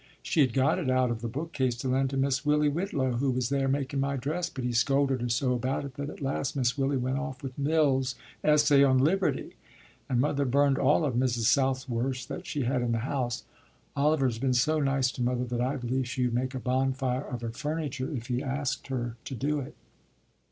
She had got it out of the bookcase to lend to Miss Willy Whitlow, who was there making my dress, but he scolded her so about it that at last Miss Willy went off with Mill's 'Essay on Liberty,' and mother burned all of Mrs. Southworth's that she had in the house. Oliver has been so nice to mother that I believe she would make a bonfire of her furniture if he asked her to do it."